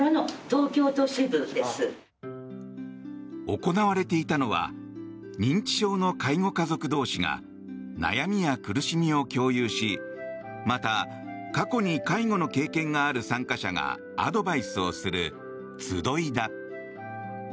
行われていたのは認知症の介護家族同士が悩みや苦しみを共有しまた過去に介護に経験がある参加者がアドバイスをする集いだ。